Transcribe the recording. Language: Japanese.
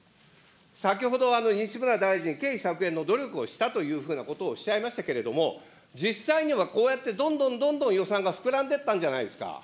先ほど、西村大臣、経費削減の努力をしたというふうなことをおっしゃいましたけれども、実際には、こうやってどんどんどんどん予算が膨らんでったんじゃないですか。